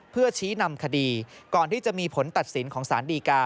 เพื่อชี้นำคดีก่อนที่จะมีผลตัดสินของสารดีกา